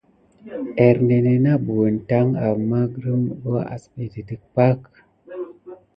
Ernénè na buna täki amà grirmà sem.yà saki depumosok kà nakua pak.